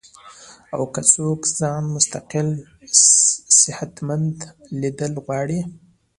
او کۀ څوک ځان مستقل صحتمند ليدل غواړي